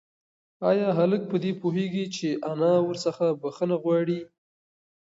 ایا هلک په دې پوهېږي چې انا ورڅخه بښنه غواړي؟